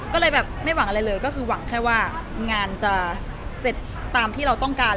ก็เลยแบบไม่หวังอะไรเลยก็คือหวังแค่ว่างานจะเสร็จตามที่เราต้องการ